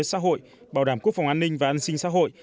xã hội bảo đảm quốc phòng an ninh và an sinh xã hội